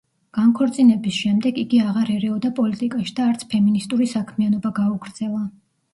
განქორწინების შემდეგ იგი აღარ ერეოდა პოლიტიკაში და არც ფემინისტური საქმიანობა გაუგრძელა.